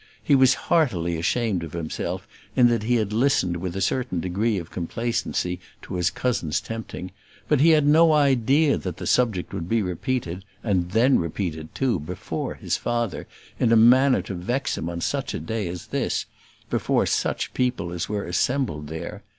He was heartily ashamed of himself in that he had listened with a certain degree of complacency to his cousin's tempting; but he had no idea that the subject would be repeated and then repeated, too, before his father, in a manner to vex him on such a day as this, before such people as were assembled there.